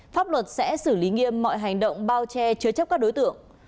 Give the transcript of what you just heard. pháp luật sẽ xử lý nghiêm mọi hành động bao che chứa chấp các đối tượng